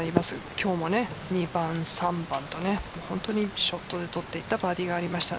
今日も２番３番と本当にショットで取っていったバーディーがありました。